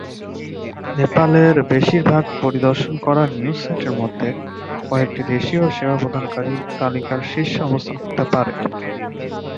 নেপালের বেশিরভাগ পরিদর্শন করা নিউজ সাইটের মধ্যে কয়েকটি দেশীয় সেবা প্রদানকারী তালিকার শীর্ষে অবস্থান করতে পারে।